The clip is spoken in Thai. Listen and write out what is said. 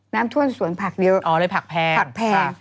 น้ำท่วมส่วนผักเยอะอ๋อเลยผักแพง